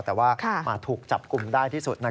แต่ว่ามาถูกจับกลุ่มได้ที่สุด